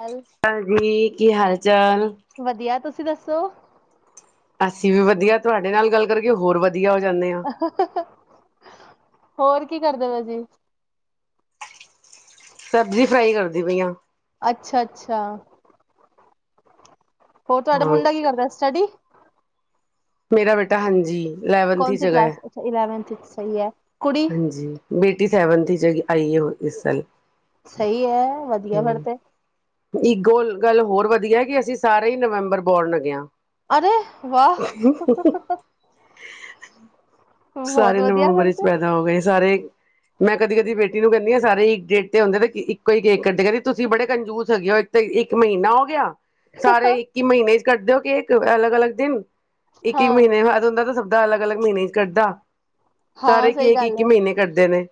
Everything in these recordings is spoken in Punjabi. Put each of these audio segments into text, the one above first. ਚੱਲ ਪਾਜੀ ਕੀ ਹਾਲ ਚਾਲ? ਵਧੀਆ ਤੁਸੀਂ ਦੱਸੋ? ਅਸੀਂ ਵੀ ਵਧੀਆ, ਤੋਆਡੇ ਨਾਲ ਗੱਲ ਕਰਕੇ ਹੋਰ ਵ ਹੋਰ ਕੀ ਕਰਦੇ ਵੇ ਸੀ? ਸਬਜ਼ੀ ਫਰਾਈ ਕਰਦੀ ਪਈ ਆ। ਅੱਛਾ, ਅੱਛਾ। ਹੋ ਤੋਆਡਾ ਹਾਂ ਮੁੰਡਾ ਕੀ ਕਰਦਾ ਸਟੱਡੀ? ਮੇਰਾ ਬੇਟਾ ਹਾਂਜੀ। ਇਲੈਵਨਥ ਚ ਕੌਨਸੀ ਹੈਗਾ ਕਿ? ਹੈ ਅੱਛਾ ਇਲੈਵਨਥ ਸਹੀ ਐ। ਹਾਂਜੀ, ਬੇਟੀ ਸੈਵਨਥ ਚ ਆਈ ਹੁਨ ਇਸ ਸਾਲ। ਸਈ ਐ। ਵਧੀਆ ਫੇਰ ਹਮ ਤੇ। ਇੱਕ ਗੋਲ, ਗੱਲ ਹੋਰ ਵਧੀਆ ਕਿ ਅਸੀ ਸਾਰੇ ਹੀ ਨਵੰਬਰ ਬੋਰਨ ਹੈਗੇ ਆ। ਅਰੇ ਵਾਅ! ਸਾਰੇ ਨਵੰਬਰ ਵਿਚ ਪੈਦਾ ਹੋ ਗਏ ਸਾਰੇ, ਮੈਂ ਕਦੀ ਕਦੀ ਬੇਟੀ ਨੂੰ ਕੈਨੀ ਆ ਸਾਰੇ ਇੱਕ ਡੇਟ ਤੇ ਹੁੰਦੇ ਤੇ ਇੱਕੋ ਹੀ ਕੇਕ ਕਟਦੇ ਕੈਂਦੇ ਤੁਸੀਂ ਬੜੇ ਕੰਜੂਸ ਹੈਗੇ ਓ ਇ ਤੇ ਇੱਕ ਮਹੀਨਾ ਹੋ ਗਿਆ। ਸਾਰੇ ਇੱਕੀ ਮਹੀਨੇ ਕਰਦੇ ਹੋ ਕੇਕ ਅਲੱਗ ਅਲੱਗ ਦਿਨ ਇੱਕ ਇੱਕ ਹਾਂ ਮਹੀਨੇ ਬਾਦ ਹੁੰਦਾ ਤਾਂ ਸ ਅਲੱਗ ਅਲੱਗ ਮਹੀਨੇ ਗੱਦਾ ਹਾਂ ਸਾਰੇ ਸਹੀ ਕੀ ਕਿ ਗੱਲ ਇੱਕ ਹੈ ਮਹੀਨੇ ਕਰਦੇ ਨੇ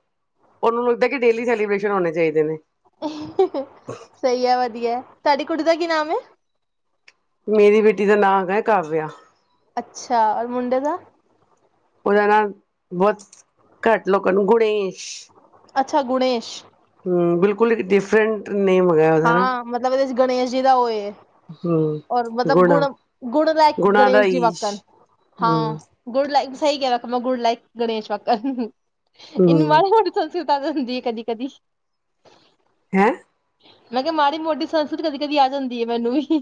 ਉਹਨਾਂ ਨੂੰ ਇੱਦਾਂ ਡੇਲੀ ਸੈਲੀਬ੍ਰੇਸ਼ਨ ਹੋਣੇ ਚਾਹੀਦੇ ਨੇ ਸਹੀ ਹੈ ਵਧੀਆ ਸਾਡੀ ਕੁੜੀ ਦਾ ਕੀ ਨਾਮ ਹੈ ਮੇਰੀ ਬੇਟੀ ਦਾ ਨਾਂ ਹੈਗਾ ਕਾਵਿਆ ਅੱਛਾ ਔਰ ਮੁੰਡੇ ਦਾ ਉਹਦਾਣਾ ਵਤ ਘੱਟ ਲੋਕ ਕ ਨੂੰ ਗੁਣੇਸ਼ ਅੱਛਾ ਗੁਣੇਸ਼ ਬਿਲਕੁਲ ਡਿਫਰੈਂਟ ਨੇ ਮੰਗਾਇਆ ਉਹਦਾ ਨਾ ਹਾਂ ਮਤਲਬ ਇਹਦੇ ਚ ਗਣੇਸ਼ ਜੀ ਦਾ ਹੋਏ ਹਮ ਔਰ ਮਤਲਬ ਗੁਣ ਗੁਣਾ ਗੁਣ ਲਾਇਕ ਗੁਣਾ ਦਾ ਗਣੇਸ਼ ਜੀ ਈਸ਼ ਵਾਕਨ ਹਾਂ ਹੂੰ ਗੁਣ ਲਾਇਕ ਈ ਗ ਵੈਂ ਗੁਡ ਲਾਈਕ ਗਣੇਸ਼ ਵਕ ਇਨ ਹੂੰ ਮਰ ਹ ਤਾ ਹੁੰਦੀ ਹੈ ਕਦੀ ਕਦੀ ਹੈਂ ਮੈਂ ਕਿਹਾ ਮਾੜੀ ਮੋਟੀ ਸੰਸਤ ਕਦੀ ਕਦੀ ਆ ਜਾਂਦੀ ਹੈ ਮੈਨੂੰ ਵੀ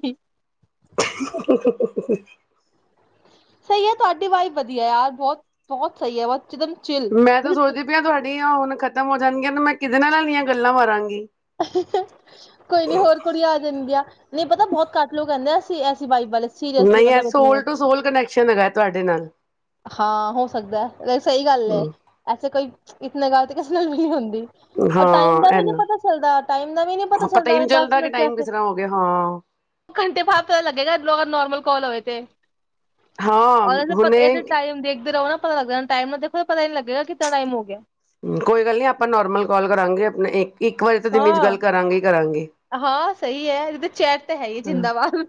ਹਹਹਹਹਹਹ ਸਹੀ ਹੈ ਤੁਹਾਡੀ ਵਾਈਫ ਵਧੀਆ ਯਾਰ ਬਹੁਤ ਬਹੁਤ ਸਹੀ ਹੈ ਬਹੁ ਮੈਂ ਤਾਂ ਸੋਚਦੀ ਪਈ ਹਾਂ ਤੁਹਾਡੀ ਆ ਹੁਣ ਖ਼ਤਮ ਹੋ ਜਾਣਗੀਆਂ ਮੈਂ ਕਿਦੇ ਨਾਲ ਦੀਆਂ ਗੱਲਾਂ ਮਾਰਾਂਗੀ ਕੋਈ ਨੀ ਹੋਰ ਕੁੜੀ ਆ ਜਾਣਗੀਆਂ ਨਹੀਂ ਪਤਾ ਬਹੁਤ ਘੱਟ ਲੋਕ ਕਹਿੰਦੇ ਆ ਐਸੀ ਬਾਈਕ ਨਹੀਂ ਹੈ ਸੋਲ ਟੂ ਸੋਲ ਕਨੈਕਸ਼ਨ ਹੈਗਾ ਤੁਹਾਡੇ ਨਾਲ ਹਾਂ ਹੋ ਸਕਦਾ ਸਹੀ ਗੱਲ ਹੈ ਹੂੰ ਐਸੇ ਕੋਈ ਇਤੇ ਗੱਲ ਤੇ ਕਿਸੇ ਨਾਲੀ ਹੁੰਦੀ ਰ ਟਾਈਮ ਦਾ ਹਾਂ ਵੀ ਨੀ ਇਨਾ ਪਤਾ ਚੱਲਦਾ ਟਾਈਮ ਦਾ ਵੀ ਨੀ ਪਤਾ ਹੀ ਚੱਲਦਾ ਨਹੀਂ ਦਸ ਕਿ ਟਾਈਮ ਮਿੰਟ ਕਿਸ ਤਰ੍ਹਾਂ ਹੋ ਗਿਆ ਹਾਂ ਘੰਟੇ ਭਾ ਪ ਲੱਗੇਗਾ ਨੋਰਮਲ ਕਲ ਹੋਏ ਤੇ ਹਾਂ ਹੁਨੇ ਇੱਕਦੇ ਰਹੋ ਨਾ ਪਤਾ ਲੱਗ ਟਾਈਮ ਦੇੋ ਪਤਾੀ ਲੱਗੇਗਾ ਕਿਨਾ ਟਾਈਮ ਹੋ ਗਿਆ ਕੋਈ ਗੱਲ ਨ ਆਪਾਂ ਨੋਰਮਲ ਕਾਲ ਕਰਾਂਗੇ ਆਪਣੇ ਇੱਕ ਇੱਕ ਵਾਰੀ ਤਾਂ ਦਿਮੀੇ 'ਚ ਗੱਲ ਹਾਂ ਕਰਾਂਗੇ ਹੀ ਕਰਾਂਗੇ ਹਾਂ ਸਹੀ ਹੈ। ਚੈਟ ਤੇ ਹੈ ਹੀ ਹ ਜਿੰਦਾਬਾਦ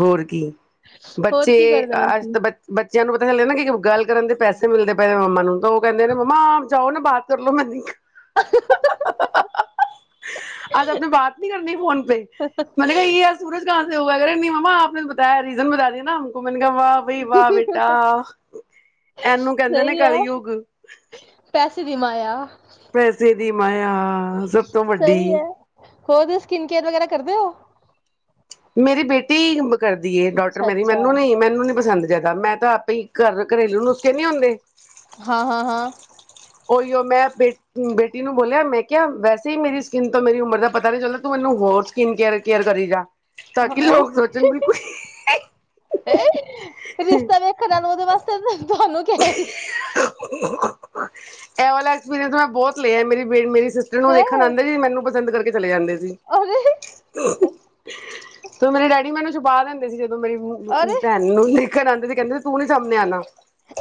ਹੋਰ ਕੀ, ਹੋਰ ਬੱਚੇ ਕੀ ਕਰਦੇ ਹੋ ਅੱਜ ਤੁਸੀਂ ਤਾਂ ਬ ਬੱਚੇਆਂ ਨੂੰ ਪਤਾ ਹਲੇ ਨਾ ਕਿ ਗੱਲ ਕਰਨ ਦੇ ਪੈਸੇ ਮਿਲਦੇ ਪਏਦੇ ਮੱਮਾ ਨੂੰ ਤੋ ਕੈਂਦੇ ਨੇ ਮੰਮਾ ਜਾਓ ਨਾ ਬਾਤ ਕਰ ਲੋ ਮੈਂ ਆਜ ਆਪਨੇ ਬਾਤ ਨੀ ਕਰਨੀ ਫੋਨ ਪੇ, ਮੈਨੇ ਕਹਾ ਸੂਰਜ ਕਾਂਸੇ ਹੋਗਾ ਅਗਰੇ ਨ, ਨਹੀਂ ਮੰਮਾ ਆਪ ਨੇ ਬਤਾਆ [unintelligible] ਰੀਜ਼ਨ ਬਤਾਦ ਨਾਮ ਮੈਨੂੰ ਕਿਹਾ ਵਾਹ ਬਈ ਵਾਹ ਬੇਟਾ। ਇਹਨੂੰ ਕਹਿੰਦੇ ਨੇ ਸਹੀ ਹੈ ਕਲਯੁਗ। ਪੈਸੇ ਦੀ ਮਾਇਆ ਪੈਸੇ ਦੀ ਮਾਇਆ ਸਭ ਤੋਂ ਵੱਡੀ। ਕੋ ਸਕਿਨ ਕੇਅਰ ਵਗੈਰਾ ਕਰਦੇ ਹੋ? ਮੇਰੀ ਬੇਟੀ ਕਰਦੀ ਏ। ਡਾਟਰ ਅੱਛਾ ਮੇਰੀ, ਅੱਛਾ ਮੈਨੂੰ ਨੀ, ਮੈਨੂੰ ਨੀ ਪਸੰਦ। ਜਿਆਦਾ, ਮੈਂ ਤਾਂ ਆਪੇ ਘਰ ਘਰੇਲੂ ਨੁਸਖੇ ਨੀ ਆਉਂਦੇ ਹਾਂ ਹਾਂ ਉਹੀ ਮੈਂ ਬੇ ਬੇਟੀ ਨੂੰ ਬੋਲਿਆ। ਮੈਂ ਕਿਹਾ ਵੈਸੇ ਹੀ ਮੇਰੀ ਸਕਿਨ ਤੋਂ ਮੇਰੀ ਉਮਰ ਦਾ ਪਤਾ ਨੀ ਚੱਲਦਾ। ਤੂੰ ਮੈਨੂੰ ਹੋਰ ਸਕਿਨ ਕੇਅ ਕੇਅਰ ਕਰੀ ਜਾ [unintelligible] ਤਾਂ ਕਿ ਲੋਕ ਸੋਚਣ ਬਿਲਕੁਲ ਰਿਸ਼ਤਾ ਵੇਖਣ ਨਾਲ ਉਹਦੇ ਵਾਸਤੇ [unintelligible] [unintelligible] ਇਹ ਵਾਲਾ ਐਕਸਪੀਰੀਅੰਸ ਮੈਂ ਬਹੁਤ ਲਿਆ ਮੇਰੀ, ਮੇਰੀ ਸਿਸਟਰ ਨੂੰ ਹੈ ਦੇਖਣ ਆਉਂਦੇ ਸੀ, ਮੈਨੂੰ ਪਸੰ ਕਰਕੇ ਚਲੇ ਜਾਂਦੇ ਅਰੇ ਤ ਮੇਰੇ ਡੈਡੀ, ਮੈਨੂੰ ਛੁਪਾ ਦਿੰ [unintelligible] ਮੇਰੀ ਅਰੇ ਭੈਣ ਨੂੰ ਦੇਖਣ ਆਉਂਦੀ ਤੇ ਕਹਿੰਦੇ ਤੂੰ ਨੀ ਸਾਹਮਣੇ ਆਉਣਾ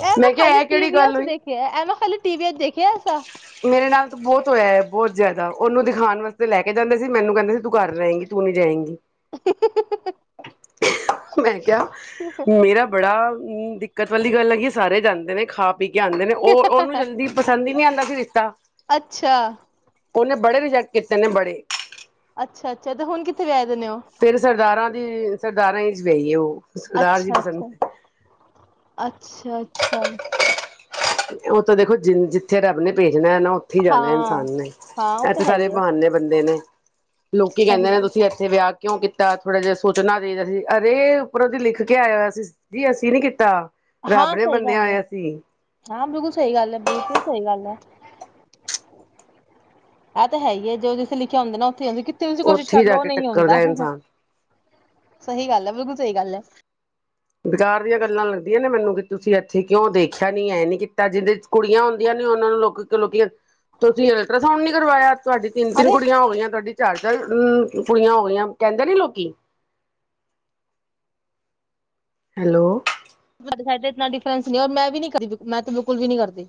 ਐ ਮੈਂ ਖਾਲੀ ਟੀਵੀਆ ਚ ਦੇਖਿਆ। ਐ ਮੈਂ ਖਾਲੀ ਟੀਵੀ ਚ ਦੇਖਿਆ ਐਸਾ ਮੇਰੇ ਨਾਲ ਤਾਂ ਬਹੁਤ ਹੋਇਆ ਹੈ। ਬਹੁਤ ਜ਼ਿਆਦਾ, ਉਹਨੂੰ ਦਿਖਾਨ ਵਾਸਤੇ ਲੈ ਕੇ ਜਾਂਦੇ ਸੀ। ਮੈਨੂੰ ਕਹਿੰਦੇ ਸੀ, ਤੂੰ ਘਰ ਰਹੇਗੀ, ਤੂੰ ਨੀ ਜਾਏਂਗੀ ਮੈਂ ਕਿਹਾ, ਮੇਰਾ ਬੜਾ ਹ ਦਿੱਕਤ ਵਾਲੀ ਗੱਲ ਹੈਗੀ ਸਾਰੇ ਜਾਂਦੇ ਨੇ, ਖਾ ਕੇ ਆਉਂਦੇ ਨੇ, ਉਹ ਉਹਨੂੰ ਜਲਦੀ ਪਸੰਦ ਹੀ ਨਹੀਂ ਆਉਂਦਾ ਸੀ, ਰਿਸ਼ਤਾ ਅੱਛਾ ਉਹਨੇ ਬੜੇ ਰਿਜੈਕਟ ਕੀਤੇ ਨੇ, ਬੜੇ ਅੱਛਾ, ਅੱਛਾ ਤੇ ਹੁਣ ਕਿੱਥੇ ਵਿਆ ਫਿਰ ਸਰਦਾਰਾਂ ਦੀ ਸਰਦਾਰਾਂ ਚ ਵਿਅਈਏ, ਉਹ ਸਰਦਾਰ ਜੀ ਪਸੰਦ ਅੱਛਾ-ਅੱਛਾ। ਅੱਛਾ ਅ ਅੱਛਾ ਉਹ ਤਾਂ ਦੇਖੋ ਜਿ ਜਿੱਥੇ ਰੱਬ ਨੇ ਪੇ ਜਿਣਾ ਹੈ ਨਾ ਉੱਥੇ ਹੀ ਜਾਣਾ ਹਾਂ ਇਨਸਾਨ ਨੇ ਹਾਂ ਉਹ ਤਾਂ ਇੱਥੇ ਹੈ ਸਾਰੇ ਹੀ ਹੈ ਬਹਾਨੇ ਬੰਦੇ ਨੇ ਲੋਕੀ ਸਹੀ ਕਹਿੰਦੇ ਨੇ ਗੱਲ ਤੁਸੀਂ ਇੱਥੇ ਵਿਆਹ ਕਿਉਂ ਕੀਤਾ ਥੋੜ੍ਹਾ ਜਿਹਾ ਸੋਚਣਾ ਦੇਦਾ ਸੀ ਅਰੇ ਉੱਪਰ ਉਹਦੀ ਲਿਖ ਕੇ ਆਇਆ ਹੋਆ ਸੀ ਜੀ ਅਸੀਂ ਨੀ ਕੀਤਾ ਹਾਂ ਰੱਬ ਨੇ ਸਹੀ ਬੰਦਿਆ ਗੱਲ ਹੈ ਆਇਆ ਸੀ ਹਾਂ ਬਿਲਕੁਲ ਸਹੀ ਗੱਲ ਹੈ ਬਿਲਕੁਲ ਸਹੀ ਗੱਲ ਹੈ ਇਹ ਤਾਂ ਹੈ ਹੀ ਹੈ ਜੋ ਜਿੱਥੇ ਲਿਖਿਆ ਹੁੰਦੇ ਨਾ ਉੱਥੇ ਆ ਤੁਸੀਂ ਕੋਸ਼ਿਸ਼ ਉੱਥੇ ਜਾ ਕਰਲਓ ਕੇ ਨਹੀਂ ਹੁੰਂਦਾ ਟੱਕਰਦਾ ਇਨਸਾਨ ਸਹੀ ਗੱਲ ਹੈ ਬਿਲਕੁਲ ਸਹੀ ਗੱਲ ਹੈ ਬੇਕਾਰ ਦੀਆਂ ਗੱਲਾਂ ਲੱਗਦੀਆਂ ਨੇ ਮੈਨੂੰ ਕਿ ਤੁਸੀਂ ਇੱਥੇ ਕਿਉਂ ਦੇਖਿਆ ਨੀ ਇਹ ਨੀ ਕੀਤਾ ਜਿਹਦੇ ਕੁੜੀਆਂ ਹੁੰਦੀਆਂ ਨੇ ਉਹਨਾਂ ਨੂੰ ਲੋਕ ਲੋਕ ਤੁਸੀਂ ਅਲਟਰਾਸਾਊਂਡ ਨੀ ਕਰਵਾਇਆ ਤੁਹਾਡੀ ਤਿੰਨ ਤਿੰਨ ਅਰੇ ਕੁੜੀਆਂ ਹੋ ਗਈਆਂ ਤੁਹਾਡੀ ਚਾਰ ਚਾਰ ਕੁੜੀਆਂ ਹੋ ਗਈਆਂ ਕਹਿੰਦੇ ਨੀ ਲੋਕੀ ਹੈਲੋ ਸਾਹਾਡੇ ਸਾਈਡ ਤੇ ਇਨਾ ਡਿਫਰੈਂਸ ਨਹੀਂ ਔਰ ਮੈਂ ਵੀ ਨੀ ਕਰਦੀ ਮੈਂ ਤੇ ਬਿਲਕੁਲ ਵੀ ਨੀ ਕਰਦੀ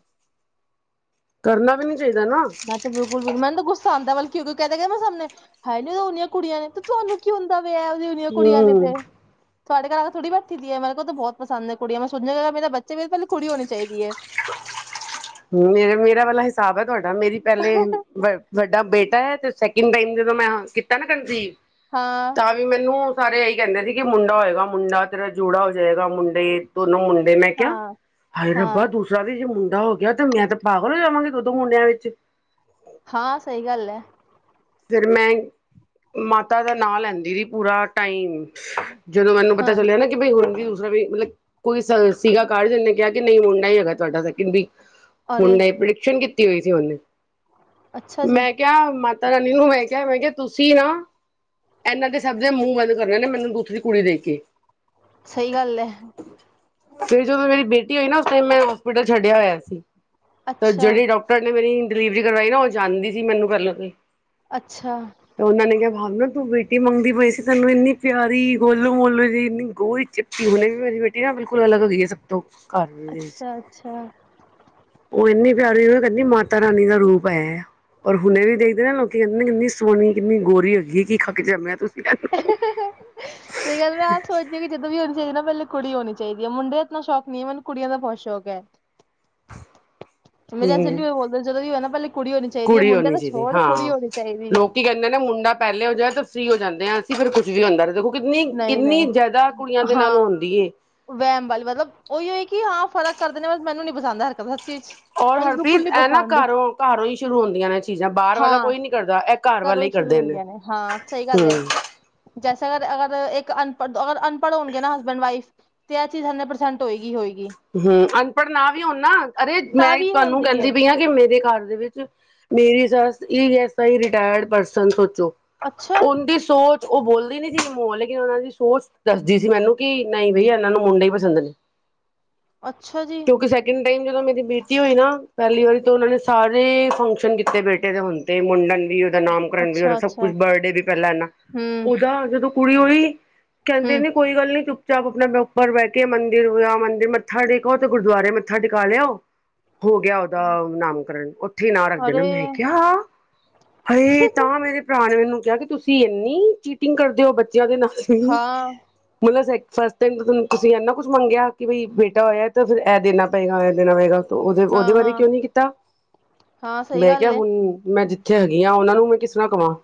ਕਰਨਾ ਵੀ ਨੀ ਚਾਹੀਦਾ ਨਾ ਮੈਂ ਤੇ ਬਿਲਕੁਲ ਵੀ ਮੈਨੂੰ ਗੁੱਸਾ ਆਉਂਦਾ ਬ ਕਿਉਂਕਿ ਕਹਿੰਦੇ ਗ ਮੈਂ ਸਾਹਮਣੇ ਹੈ ਕੀ ਨੀਆਂ ਕੁੜੀਆਂ ਨੇ ਤੇ ਤੁਹਾਨੂੰ ਕੀ ਹੁੰਦਾ ਜਦੀੀਆਂ ਕੁੜੀਆਂ ਨੇ ਤੇ ਹੂੰ [unintelligible] ਤੁਹਾਡੇ ਘਰ ਆ ਕੇ ਥੜੀ ਬੈਠੀ ਦੀ ਹੈ ਮੇਰੇ ਕੋਲ ਤਾਂ ਬਹੁਤ ਪਸੰਦ ਹੈ ਕੁੜੀਆਂ ਮੈਂ ਸੁਣਣਾਗਾ ਮੇਰਾ ਬੱਚੇ ਵੀ ਪਲੇ ਕੁੜੀ ਹੋਣੀ ਚਾਹੀਦੀ ਹੈ ਮੇ ਮੇਰਾ ਵਾਲਾ ਹਿਸਾਬ ਹੈ ਤੁਹਾਡਾ ਮੇਰੀ ਪਹਿਲੇ ਵੱਡਾ ਬੇਟਾ ਹੈ ਤੇ ਸੈਕਿੰਡ ਟਾਈਮ ਜਦੋਂ ਮੈਂ ਕੀਤਾ ਨਾ ਕੰਜੀਵ ਹਾਂ ਤਾਂ ਵੀ ਮੈਨੂੰ ਸਾਰੇ ਇਹੀ ਕਹਿੰਦੇ ਸੀ ਕਿ ਮੁੰਡਾ ਹੋਏਗਾ ਮੁੰਡਾ ਤੇਰਾ ਜੂੜਾ ਹੋ ਜਾਏਗਾ ਮੁੰਡੇ ਤ ਉਹਨੂੰ ਮੁੰਡੇ ਮੈਂ ਕਿਹਾ ਹਾਂ ਹਾਏ ਹਾਂ ਰੱਬਾ ਦੂਸਰਾ ਦੇ ਜੇ ਮੁੰਡੇ ਜਾਓ ਕਿਹਾ ਤੇ ਮੈਂ ਤੇ ਪਾਗਲ ਹੋ ਜਾਵਾਂਗੇ ਦੁਦੋਂ ਮੁੰਡਿਆਂ ਵਿੱਚ ਹਾਂ ਸਹੀ ਗੱਲ ਹੈ ਫਿਰ ਮੈਂ ਮਾਤਾ ਦਾ ਨਾਂ ਲੈਂਦੀ ਰ ਪੂਰਾ ਟਾਈਮ ਜਦੋਂ ਮੈਨੂੰ ਪਤਾ ਹਾਂ ਚੱਲਿਆ ਨਾ ਕਿ ਬਈ ਹੁਣ ਵੀ ਵੀ ਮਤਲਬ ਕੋਈ ਸੀਗਾ ਕਾਰਡ ਉਹਨੇ ਕਿਹਾ ਕਿ ਨਹੀਂ ਮੁੰਡਾ ਹੀ ਹੈਗਾ ਤੁਹਾਡਾ ਸਕਿੰਡ ਵੀ ਹੁਣ ਅਰੇ ਨਹੀਂ ਪ੍ਰਡਿਕਸ਼ਨ ਕਿ ਕੀਤਾ ਟੀ ਹੋਈ ਸੀ ਉਹਨੇ ਅੱਛਾ ਜੀ ਮੈਂ ਕਿਹਾ ਮ ਤਾਂ ਰਾਨ ਨੂੰ ਮੈਂ ਕਿਹਾ ਮੈਂ ਕਿਹਾ ਤੁਸੀਂ ਨਾ ਇਹਨਾਂ ਦੇ ਸਭ ਦੇ ਮੂੰਹ ਬੰਦ ਕਰੇ ਨੇ ਮੈਨੂੰ ਦੂਥ ਦੀ ਕੁੜੀ ਦੇ ਕੇ ਸਹੀ ਗੱਲ ਹੈ ਫਿਰ ਜਦੋਂ ਮੇਰੀ ਬੇਟੀ ਹੋਈ ਨਾ ਉਸ ਟਾਈਮ ਮੈਂ ਹੋਸਪਿਟਲ ਛੱਡਿਆ ਹੋਇਆ ਸੀ ਤੇ ਅੱਛਾ ਜਿਹੜੀ ਡਾਕਟਰ ਨੇ ਮੇਰੀ ਡਿਲੀਵਰੀ ਕਰਵਾਈ ਨਾ, ਉਹ ਜਾਂਦੀ ਸੀ ਮੈਨੂੰ ਪਹਿਲਾਂ ਅੱਛਾ। ਵ ਨਾ ਤੂੰ ਬੇਟੀ ਮੰਗਦੀ ਪਈ ਸੀ। ਤੂੰ ਇੰਨੀ ਪਿਆਰੀ, ਗੋਲੂ ਮੋਲੂ ਜ ਇੰਨੀ ਗੋਰੀ ਚਿੱਟੀ ਹਣੀ ਵੀ। ਮੈ ਬੇਟੀ ਨਾ ਬਿਲਕੁਲ ਸਕਲ ਅਲਗ ਹੋ ਗਈ ਹੈ। ਸਭ ਤੋਂ ਘਰ ਵਿੱਚ ਅੱਛਾ ਅੱਛਾ ਉਹ ਇਨੀ ਪਿਆਰੀ ਕਹਿੰਦੀ ਮਾਤਾ ਰਾਣੀ ਦਾ ਰੂਪ ਹੈ। ਔਰ ਹੁਣੇ ਵੀ ਦੇਖਦੇ ਨਾ ਲੋਕ [unintelligible] ਕਿੰਨੀ ਸੋਹਣੀ, ਕਿੰਨੀ ਗੋਰੀ ਹੋ ਗਈ, ਕਿ ਖਾਕੇ ਜੰਮਿਆਸੀ ਸਹੀ ਗੱਲ, ਮੈਂ ਆਪ ਸੋਚਦੇ ਵੀ, ਜਦੋਂ ਵੀ ਹੋਣੀ ਚਾਹੀਦੀ ਨਾ ਮੈਲ ਕੁੜੀ ਹੋਣੀ ਚਾਹੀਦੀ ਹੈ ਮੁੰਡੇ ਇਤਨਾ ਸ਼ੌਕ ਨੀ ਮਨੂੰ ਕੁੜੀਆਂ ਦਾ ਬਹੁਤ ਸ਼ੌਕ ਹੈ ਮੇਰੇ ਹਸਬੈਂਡ ਹੂੰ ਵੀ ਬੋਲਦੇ। ਜਦੋਂ ਵੀ ਹੋ ਨਾ ਪਹਿਲੇ ਕੁੜੀ ਹੋਣੀ ਚਾਹੀਦੀ ਹੈ। ਕੁੜੀ ਮੁੰਡੇ ਹੋਣੀ ਤਾਂ ਚਾਹੀਦੀ ਛੋੜ, ਹਾਂ ਕੁੜੀ ਹੋਣੀ ਚਾਹੀਦੀ ਹੈ। ਅ ਉਹ ਜਾਂਦੇ ਆ ਅਸੀ [unintelligible] ਕੁਝ ਵੀ ਹੁੰਦਾਖੋ ਨਹੀਂ ਨਹੀਂ ਹਾਂ ਹੁੰਦੀ ਏ ਵਹਿਮ ਵਾਲੀ। ਮਤਲਬ ਉਹੀ ਹੋ ਕਿ ਹਾਂ ਫ਼ਰਕ ਕਰਦੇ ਨੇ ਬਸ ਮੈਨੂੰ ਨ ਪਸੰਦ ਹਰ ਔਰ ਹਰਪ੍ਰੀਤ, ਇਹ ਨਾ ਘਰੋਂ, ਘਰੋਂ ਹੀ ਸ਼ੁਰੂ ਹੁੰਦੀਆਂ ਨੇ ਚੀਜ਼ਾਂ। ਬਾਹਰ ਵਾਲਾ ਹਾਂ ਕੋਈ ਨੀ ਕਰਦਾ, ਇਹ ਘਰ ਘਰੋਂ ਵਾਲੇ ਹੀ ਸ਼ੁਰੂ ਕਰਦੇ ਨੇ। ਹੁੰਦੀਆਂ ਹਾਂ ਸਹੀ ਗੱਲ ਹੈ ਹਮ। ਜੈਸੇ ਕਰ, ਅਗਰ ਇੱਕ ਅਨਪੜ੍ਹ, ਅਗਰ ਅਨਪੜ੍ਹ ਹੋਣਗੇ ਨਾ। ਹਸਬੈਂਡ ਵਾਈਫ ਤੇ ਇਹ ਚੀਜ਼ ਹੰਡਰਡ ਪਰਸੈਂਟ ਹੋਏਗੀ ਹੋਏਗੀ। ਹਮ ਅਨਪੜ੍ਹ ਨਾ ਵੀ ਹਨਾ। ਅਰੇ ਮੈਂ ਤਾਂ ਵੀ ਤੁਹਾਨੂੰ ਹੁੰਦੀ ਹੈ ਕਹਿੰਦੀ ਪਈ ਹ, ਕਿ ਮੇਰੇ ਘਰ ਵਿੱਚ ਮੇਰੀ ਸੱਸ ਐ, ਰਿਟਾਇਰਡ ਪਰਸਨ ਸੋਚੋ। ਅੱਛਾ ਉਹਦੀ ਸੋਚ। ਉਹ ਬੋਲਦੀ ਨੀ ਸੀ। ਮੋ ਲੇਕਿਨ ਉਹਨਾਂ ਦੀ ਸੋਚ ਦੱਸਦੀ ਸੀ। ਮੈਨੂੰ ਕਿ ਨਹੀਂ, ਬਈ ਇਹਨਾਂ ਨੂੰ ਮੁੰਡੇ ਹੀ ਪਸੰਦ ਨੇ। ਅੱਛਾ ਜੀ। ਕਿਉਂਕਿ ਸੈਕਿੰਡ ਟਾਈਮ, ਜਦੋਂ ਮੇਰੀ ਬੇਟੀ ਹੋਈ ਨਾ। ਪਹਿਲੀ ਵਾਰੀ ਤਾਂ ਉਹਨਾਂ ਨੇ ਸਾਰੇ ਫੰਕਸ਼ਨ ਕੀਤੇ ਬੇਟੇ ਦੇ। ਹੁਣ ਤੇ ਮੁੰਡਨ ਵੀ ਉਹਦਾ ਨਾਮਕਰਨ ਵੀ। ਉਹਦਾ ਅੱਛਾ ਸਭ ਅੱਛਾ ਕੁਛ ਬਰਡੇ ਵੀ। ਪਹਿਲਾਂ ਇਹਨਾ ਹਮ ਉਹਦਾ ਜਦੋਂ ਕੁੜੀ ਹੋਈ ਕਹਿੰਦੇ ਹਮ ਨੇ, ਕੋਈ ਗੱਲ ਨੀ ਚੁੱਕ ਚ ਆਪਣੇ, ਪਰ ਬਹਿ ਕੇ ਮੰਦਿਰ ਹੋਇਆ। ਮੰਦਿਰ ਮ ਮੱਥਾ ਟੇਕੋ ਤੇ ਗੁਰਦੁਆਰੇ ਮੱਥਾ ਟੇਕਾ ਲਿਆਓ। ਹੋ ਗਿਆ। ਉਹਦਾ ਨਾਮਕਰਨ ਉੱਥੇ ਹੀ ਨਾ ਰੱਖ ਦੇਣਾ। ਅਰੇ ਮੈਂ ਕਿਹਾ ਹਜ ਤਾਂ ਮੇਰੇ ਭਰਾ ਨੇ ਮੈਨੂੰ ਕਿਹਾ ਕਿ ਤੁਸੀਂ ਇੰਨੀ ਚੀਟਿੰਗ ਕਰਦੇ ਹੋ। ਬੇ ਹਾਂ [unintelligible] ਫਸਟ ਟਾਈਮ ਤੁਸੀਂ। ਐਨਾ ਕੁਛ ਮੰਗਿਆ ਕਿ ਬਈ ਬੇ [unintelligible] ਹੋਆ ਤਾਂ ਫਿਰ ਇਹ ਦੇਣਾ ਪਏਗਾ। ਇਹ ਦੇਣਾ ਪਏਗਾ ਉਹਦੇ ਹਾਂ ਉਹਦੇ ਬਾਰੇ ਹਾਂ ਕਿਉਂ ਨੀ ਕੀਤਾ? ਹਾਂ ਸਹੀ ਮੈਂ ਕਿਹਾ ਗੱਲ ਹੈ ਹੁਣ ਮੈਂ ਕਿੱਥੇ ਹੈਗੀਆਂ ਉਹਨਾਂ ਨੂੰ ਮੈਂ ਕਿਸ ਤਰ੍ਹਾਂ ਕਹਵਾਂ?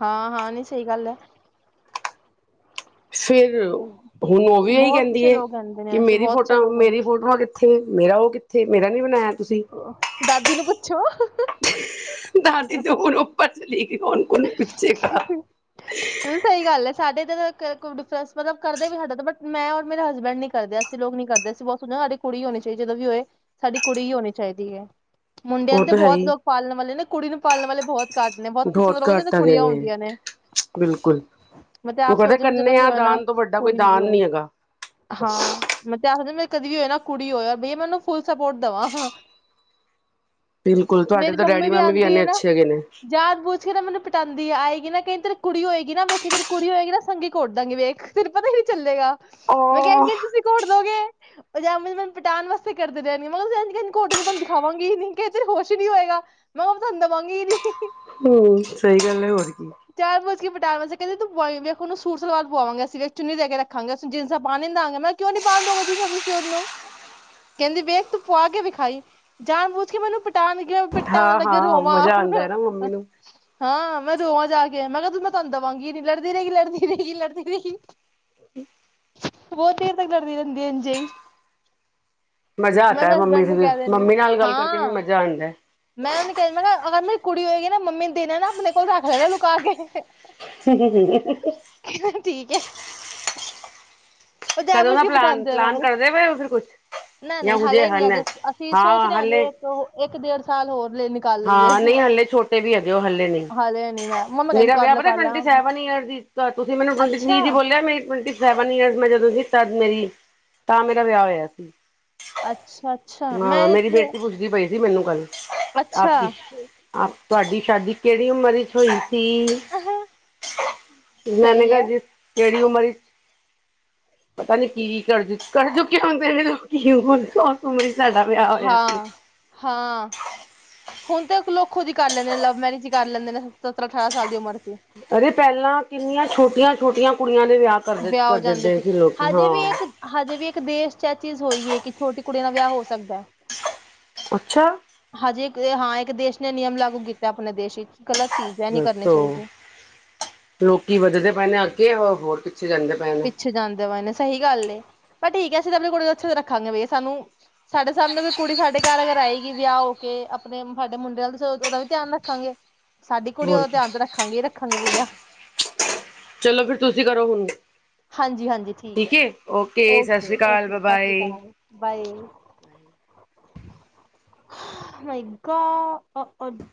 ਹਾਂ, ਹਾਂ। ਨਹੀਂ, ਸਹੀ ਗੱਲ ਹੈ। ਫੇਿਰ ਹੁਣ ਉਹ ਵੀ ਇਹੀ ਬਹੁਤ ਕਹਿੰਦੀ ਸੇ ਹੈ ਲੋਕ ਕਹਿੰਦੇ ਨੇ ਕਿ ਐਸੇ ਮੇਰੀ ਬਹੁਤ ਸੇ ਫੋਟੋ ਲੋਕ ਮੇਰੀ ਫੋਟੋਆਂ ਕਿ ਕਿੱਥੇ ਮੇਰਾ ਉਹ ਕਿੱਥੇ ਮੇਰਾ ਨਹੀਂ ਬਣਾਇਆ ਤੁਸੀਂ ਦਾਦੀ ਨੂੰ ਪੁੱਛੋ ਦਾਦੀ ਤਾਂ ਹੁਣ ਉਪਰ ਚਲੀ ਗਈ ਕੌਣ ਕੌਣ ਪਿੱਛੇ ਕ ਸਹੀ ਗੱਲ ਹੈ ਸਾਡੇ ਤਾਂ ਡਿਫਰੈਂਸ ਮਤਲਬ ਕਰਦੇ ਵੀ ਸਾਡੇ ਬਟ ਮੈਂ ਔਰ ਮੇਰੇ ਹਸਬੈਂਡ ਨੀ ਕਰਦੇ ਅਸੀਂ ਲੋਕ ਨੀ ਕਰਦੇ ਅਸੀਂ ਬਹੁਤ ਸ ਸਾਡੀ ਕੁੜੀ ਹੀ ਹੋਣੀ ਚਾਹੀਦੀ ਜਦੋਂ ਵੀ ਹੋਏ ਸਾਡੀ ਕੁੜੀ ਹੀ ਹੋਣੀ ਚਾਹੀਦੀ ਹੈ ਮੁੰਡਿਆਂ ਉਹ ਤੇ ਤਾਂ ਹੈ ਬਹੁਤ ਹੀ ਲੋਕ ਪਾਲਣ ਵਾਲੇ ਨੇ ਕੁੜੀ ਨੂੰ ਪਾਲਣ ਵਾਲੇ ਬਹੁਤ ਘੱਟ ਨੇ ਬਹੁਤ ਕਿਸਮ ਰ ਕੁੜੀਆਂ ਹੁੰਦੀਆਂ ਨੇ ਬਿਲਕੁਲ ਮਤਲਬ ਉਹ ਆਪ ਕਹਿੰਦੇ ਸੋਚ ਮ ਜਦੋਂ ਵੀ ਕੰਨਿਆ ਹੋ ਨਾ ਦਾਨ ਤੋਂ ਵੱਡਾ ਕੋਈ ਕੁੜੀ ਵੀ ਦਾਨ ਹੋਵੇ ਨੀ ਹੈਗਾ ਹਾਂ ਮਤਲਬ ਆਪੋ ਮੇ ਕਦੀ ਵੀ ਹੋਏ ਨਾ ਕੁੜੀ ਹੋਇਆ ਬ ਮੈ ਉਹਨੂੰ ਫੁੱਲ ਸਪੋਰਟ ਦੇਵਾਂ ਬਿਲਕੁਲ ਤੁਹਾਡੇ ਮੇਰੀ ਤੋਂ ਮੰਮੀ ਡੈਡੀ ਮਾਮੀ ਵੀ ਇੰਨੇ ਅੱਛੇ ਹੈਗੇ ਨੇ। ਜਿਹੜ ਮੈਨੂੰ ਪਟਾਂਦੀ ਆਗੀ ਨਾ ਕਹਿੰ ਤੇਰੀ ਕੁੜੀ ਹੋਏਗੀ ਨਾ ਵੇਖੀ ਤੇਰੀ ਕੁੜੀ ਹੋਏਗੀ ਨਾ ਸੰਘਗੀ ਕੋਟ ਦਾਂਗੀ ਵੇਖ ਤੇਰੇ ਪਤਾ ਨ ਨਹੀਂ ਚੱਲੇਗਾ। ਮੈਂ ਉਹ ਕਹਿੰਦੀ ਤੁਸੀਂ ਘੋੜ ਦੋਗੇ ਅਜ ਮੈਨੂੰ ਪਟਾ ਵਾਸਤੇ ਕਰਦੇ ਰਹਿਣੀ ਮੈਂ ਕਿਹਾ ਘੋਟ ਮੈਂ ਤੁਹੂੰਖਾਵਾਂਗੀ ਨੀ ਕਿ ਤੇ ਖੁਸ਼ ਨੀ ਹੋਏਗਾ ਮੈਂ ਕਿਹਾ ਪ ਤੁਹਾਨੂੰ ਦੇਵਾਂਗੀ ਨੀ ਹਮ ਸਹੀ ਗੱਲ ਹੈ। ਹੋਰ ਕੀ ਪਟਾ ਕਹਿੰਦੀ ਤੂੰ ਵੇਖਨੂੰ ਸੂਰ ਸਲਵਾਰ ਪਵਾਵਾਂਗੇ ਅਸੀਂੇਖ ਚੁੰਨੀ ਦੇ ਕੇ ਰੱਖਾਂਗੇਨੂੰ ਜੀਸਾਂ ਪਾ ਨ ਦਵਾਂਗੇ ਮੈਂ ਕਿਹਾ ਕਿਉਂ ਨਹੀਂ ਪਾ ਦੋ ਤੁਸੀਂ ਉਹਨੂੰ ਕਹਿੰਦੀ ਵੇਖ ਤੂੰ ਪਆ ਕੇ ਵਿਖਾਈ ਜਾਣ ਬੂਝ ਕੇ ਮੈਨੂੰ ਪਿਟਾ ਹਾਂ, ਹਾਂ। ਮਜ਼ਾ ਆਉਂਦਾ ਹੈ ਨਾ ਮੰਮੀ ਨੂੰ ਹਾਂ ਮੈਂ ਦੋਵਾਂ ਜਾ ਕੇ ਮੈਂ ਕਿਹਾ ਤੂੰ ਮੈਂ ਤੁਹਾਨੂੰ ਦੇਵਾਂਗੀ ਨ ਲੜਦੀ ਰਹੇਗੀ, ਲੜਦੀ ਰਹੇਗੀ ਲੜਦੀ ਰਹੇਗੀ ਬਹੁਤ ਚਰ ਤੱਕ ਲੜਦੀ ਰਹਿੰਦੀ ਅਜੇ ਮਜ਼ਾ ਆਤਾ ਮੰਮੀ, ਮੰਮੀ ਨਾਲ ਗੱਲ ਕਰਕੇ ਵੀ ਹਾਂ ਮਜ਼ਾ ਆਉਂਦਾ। ਮੈਂ ਉਹਨੂੰ ਕਹਿ ਮੈਂ ਕਿਹਾ ਅਗਰ ਮੇਰੀ ਕੁੜੀ ਹੋਏਗੀ। ਨਾ ਮੰਮੀ ਦੇਨ ਨਾ ਆਪਣੇ ਕੋਲ ਰੱਖ ਲੈਣਾ ਲੁਕਾ ਕੇ ਹ ਹੈ। ਕਹਿੰਦਾ [unintelligible] ਉਹ ਕਦੋਂ ਜਾਇਬੁੱਝ ਨਾ ਕੇ ਪਲਾਨ, ਪਟਾਉਂਦੇ ਆ ਪਲਾਨ ਮੈਨੂੰ ਕਰਦੇ ਪਏ ਫਿਰ ਕੁਛ ਨਹੀਂ ਜਾਂ ਨਹੀਂ ਹ ਜੇ ਹਾਲੇ ਨਹੀਂ ਹਨ ਅਜੇ ਅਸੀਂ ਸੋਚ ਹਾਂ ਰਹੇ ਜੇ ਹਾਲੇ ਇੱਕ ਇੱਕ ਡੇਢ ਸਾਲ ਹੋਰ ਲਈ ਨਿਕਾਲ ਲਈਏ ਹਾਂ ਨਹੀਂ ਹਾਲਲੇ ਛੋਟੇ ਵੀ ਹੈਗੇ ਹੋ ਹਲੇੇ ਨਹੀਂ ਹਾਲੇ ਨਹੀਂ ਮੈਂ ਮੰਮਾ ਕਹਿੰਦੀ ਮੇਰਾ ਕਰ ਵਿਆਹ ਲੈ ਪਤਾ ਕਰ ਲੈ ਟਵੰਟੀ ਸੈਵਨ ਈਅਰ ਦੀ ਤੁਸੀਂ ਮੈਨੂੰ ਟਵੰਟੀ ਅੱਛਾ ਥ ਦੀ ਬੋਲਿਆ ਮੇਰੀ ਟਵਟੀ ਸੈਵਨ ਈਅਰ ਮੈਂ ਜਦਸੀਂ ਤਦ ਮੇਰੀ ਤਾਂ ਮੇਰਾ ਵਿਆਹ ਹੋਇਆ ਸੀ। ਅੱਛਾ। ਅੱਛਾ ਮੈਂ ਹਾਂ ਮੇਰੀ ਇਤਨੇ ਬੇਟੀ ਪੁੱਛਦੀ ਪਈ ਜੀ ਮੈਨੂੰ ਗੱਲ ਅੱਛਾ। ਆ ਤੁਹਾਡੀ ਸ਼ਾਦੀ ਕਿਹੜੀ ਉਮਰ ਵਿੱਚ ਹੋਈ ਮੈਂਨ ਸਹੀ ਕਿਹਾ ਹੈ ਜਿਸ ਕਿਹੜੀ ਉਮਰ ਵਿਚ ਪਤਾ ਨੀ ਕੀ ਕਰਜੂ ਕਰਜੂ ਕਿਉਂ ਦੇ ਕੀ ਉਮਰ ਉਵੇ ਹੀ ਸਾਡਾ ਵਿਆਹ ਹੋਇਆ ਸੀ। ਹਾਂ ਹਾਂ ਹੁਣ ਤੇ ਲੋਕ ਖੁਦ ਹੀ ਕਰ ਲੈਂਦੇ ਨੇ, ਲਵ ਮੈਰਿਜ ਕਰ ਲੈਂਦੇ ਨੇ ਸਤਰਾਂ ਅਠਾਰਾਂ ਸਾਲ ਦੀ ਉਮਰ ਚ ਅਰੇ ਪਹਿਲਾਂ ਕਿੰਨੀਆਂ ਛੋਟੀਆਂ ਛੋਟੀਆਂ ਕੁ ਵਿਆਹ ਹੋ ਜਾਂਦੇ ਸੀ ਹਜੇ ਵੀ ਹਾਂ। ਇੱਕ ਹਜੇ ਵੀ ਇੱਕ ਦੇਸ਼ ਚ ਇਹ ਚੀਜ਼ ਹੋਈ ਹੈ ਕਿ ਛੋਟੀ ਕੁੜੀ ਦਾ ਵਿਆਹ ਹੋ ਸਕਦਾ ਹੈ। ਅੱਛਾ ਹਜੇ ਇੱਕ, ਹਾਂ ਇੱਕ ਦੇਸ਼ ਨੇ ਨਿਯਮ ਲਾਗੂ ਕੀਤਾ ਪਣੇ ਦੇਸ਼ ਚ। ਦੱਸੋ, ਲੋਕੀ ਵਧਦੇ ਪਏ ਣੇ ਅੱਗੇ ਹੋਰ ਜਾਂਦੇ ਪਏ ਨੇ ਪਿੱਛੇ ਜਾਂਦੇ ਵਾ ਇਹਨੇ ਸਹੀ ਗੱਲ ਏ। ਪਰ ਠੀਕ ਹੈ ਅਸੀਂ ਤਾਂ ਆਪਣੀ ਕੁੜੀ ਅੱਛੇ ਰੱਖਾਂਗੇ ਬਈ ਸਾਨੂੰ ਸਾਡੇ ਸਾਹਮਣੇ ਕੋਈ ਕੁੜੀ ਸਾਡੇ ਘਰ ਅਗਰ ਆਏਗੀ ਵਿਆਹ ਹੋ ਕੇ ਆਪਣੇ ਸਾਡੇ ਮੁੰਡੇ ਨਾਲ ਉਹਦਾ ਵੀ ਧਿਆਨ ਰੱਖਾਂਗੇ। ਸਾਡੀ ਕੁੜੀ ਹੋਰ ਉਹਦਾ ਕੀ ਧਿਆਨ ਤੇ ਰੱਖਾਂਗੇ ਏ ਰੱਖਾਂਗੇ ਬਈਆ। ਚਲੋ ਫੇਰ ਤੁਸੀਂ ਕਰੋ ਹੁਣ। ਹਾਂਜੀ-ਹਾਂਜੀ ਠੀਕ ਹੈ, ਸਤਿ ਓਕੇ ਸ਼੍ਰੀ ਅਕਾਲ ਓਕੇ ਬਾਏ ਸਸਿ ਸ਼੍ਰੀ ਬਾਏ। ਕਾਲ ਬਾਏ। [unintelligible]